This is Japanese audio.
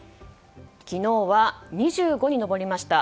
昨日は２５に上りました。